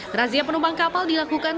merazia penumpang kapal dilakukan